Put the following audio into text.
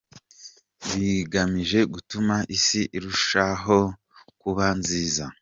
bigamije gutuma Isi irushaho kuba nziza.